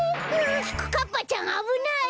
きくかっぱちゃんあぶない！